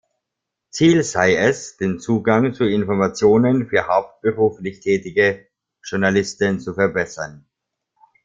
Ziel sei es, den Zugang zu Informationen für hauptberuflich tätige Journalisten zu verbessern.